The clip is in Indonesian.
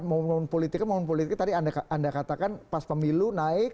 mohon politik tadi anda katakan pas pemilu naik